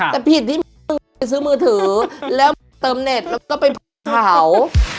แต่ผิดที่ไปซื้อมือถือแล้วเติมเน็ตแล้วก็ไปเผา